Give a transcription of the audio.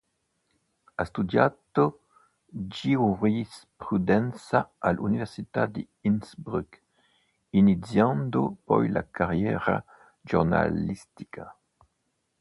Ha studiato giurisprudenza all'università di Innsbruck, iniziando poi la carriera giornalistica.